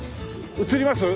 映ります？